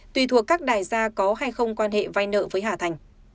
tùy thuộc các đại gia có hay không quan hệ vai nợ với hà thành